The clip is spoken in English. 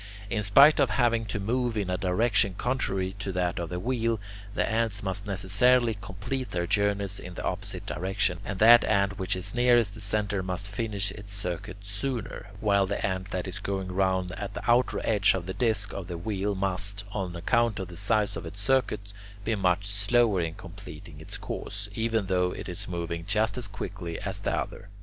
In spite of having to move in a direction contrary to that of the wheel, the ants must necessarily complete their journeys in the opposite direction, and that ant which is nearest the centre must finish its circuit sooner, while the ant that is going round at the outer edge of the disc of the wheel must, on account of the size of its circuit, be much slower in completing its course, even though it is moving just as quickly as the other.